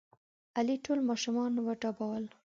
علي ټول ماشومان وډبول.